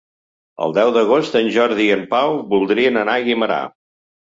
El deu d'agost en Jordi i en Pau voldrien anar a Guimerà.